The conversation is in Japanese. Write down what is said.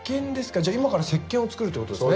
じゃ今から石けんを作るって事ですね？